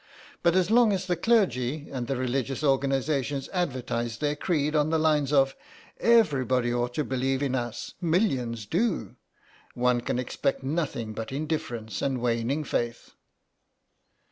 But as long as the clergy and the religious organisations advertise their creed on the lines of 'Everybody ought to believe in us: millions do,' one can expect nothing but indifference and waning faith."